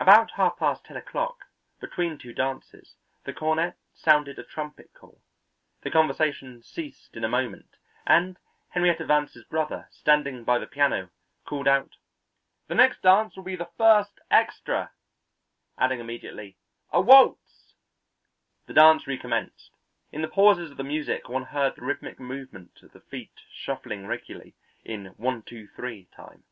About half past ten o'clock, between two dances, the cornet sounded a trumpet call; the conversation ceased in a moment, and Henrietta Vance's brother, standing by the piano, called out, "The next dance will be the first extra," adding immediately, "a waltz." The dance recommenced; in the pauses of the music one heard the rhythmic movement of the feet shuffling regularly in one two three time.